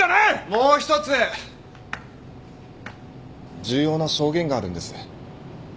もう１つ重要な証言があるんです。